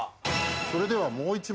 それではもう１問。